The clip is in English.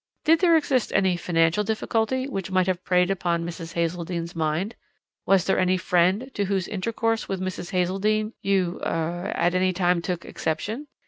Did there exist any financial difficulty which might have preyed upon Mrs. Hazeldene's mind; was there any friend to whose intercourse with Mrs. Hazeldene you er at any time took exception?